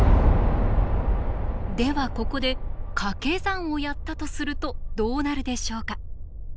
ではここでかけ算をやったとするとどうなるでしょうか？